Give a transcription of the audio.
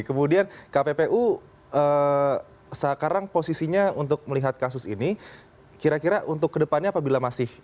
kemudian kppu sekarang posisinya untuk melihat kasus ini kira kira untuk kedepannya apabila masih